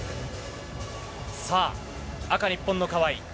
さあ、赤、日本の川井。